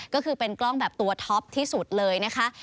ก็คือเป็นกล้องแบบตัวท็อปที่สุดเลยนะคะ